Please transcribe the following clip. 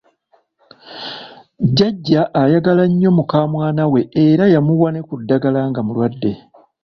Jjajja ayagala nnyo mukamwana we era yamuwa ne ku ddagala nga mulwadde.